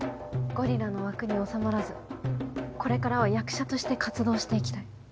「ゴリラの枠に収まらずこれからは役者として活動していきたい」。